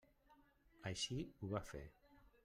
Així ho va fer.